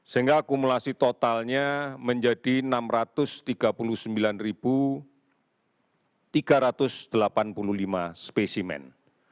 sehingga akumulasi totalnya menjadi enam ratus tiga puluh sembilan tiga ratus delapan puluh lima spesimen